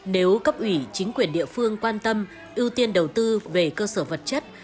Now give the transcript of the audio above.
nếu cấp ủy chính quyền địa phương quan tâm ưu tiên đầu tư về cơ sở vật chất